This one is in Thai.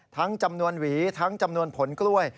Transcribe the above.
จำนวนหวีทั้งจำนวนผลกล้วย